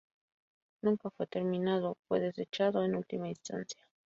Nunca fue terminado, fue desechado en última instancia.